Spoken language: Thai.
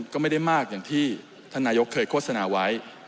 ก็ไม่ได้มากอย่างที่ท่านนายกเคยโฆษณาไว้